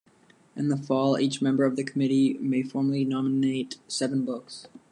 In the fall each member of the committee may formally nominate seven books.